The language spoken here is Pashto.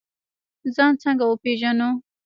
ځان څنګه وپیژنو؟